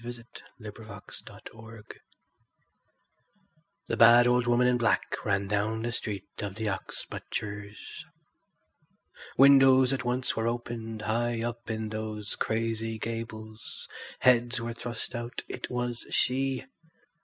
The Bad Old Woman in Black The bad old woman in black ran down the street of the ox butchers. Windows at once were opened high up in those crazy gables; heads were thrust out: it was she.